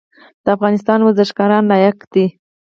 د افغانستان ورزشکاران لایق دي